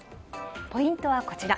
ポイントはこちら。